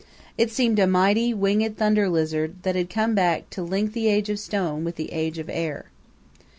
It seemed a mighty, winged Thunder Lizard that had come back to link the Age of Stone with the Age of Air.